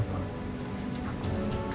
kami minta apa